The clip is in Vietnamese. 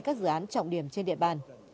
các dự án trọng điểm trên địa bàn